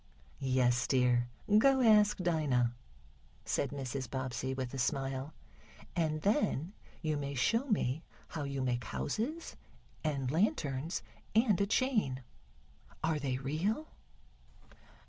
"Yes, dear, go ask Dinah," said Mrs. Bobbsey, with a smile. "And then you may show me how you make houses and lanterns and a chain. Are they real?"